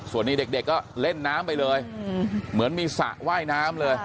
ส่วนนี้เด็กก็เล่นน้ำไปเลยเหมือนมีสระว่ายน้ำเลย